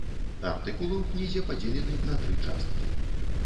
Артыкулы ў кнізе падзелены на тры часткі.